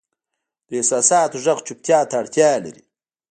د احساساتو ږغ چوپتیا ته اړتیا لري.